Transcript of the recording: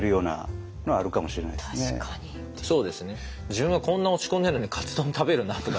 自分はこんな落ち込んでるのにカツ丼食べるなとかね。